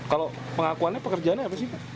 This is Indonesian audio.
kalau pengakuannya pekerjaannya apa sih